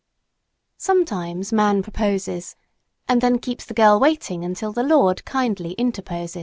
Sometimes man proposes and then keeps the girl waiting until the Lord kindly interposes.